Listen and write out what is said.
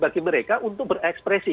bagi mereka untuk berekspresi